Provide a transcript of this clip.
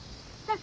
あ！